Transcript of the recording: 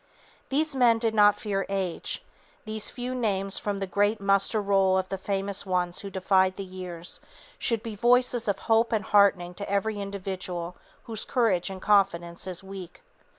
These men did not fear age; these few names from the great muster roll of the famous ones who defied the years, should be voices of hope and heartening to every individual whose courage and confidence is weak.